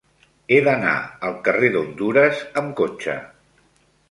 He d'anar al carrer d'Hondures amb cotxe.